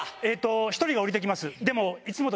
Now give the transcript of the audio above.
１人が降りて来ますでも。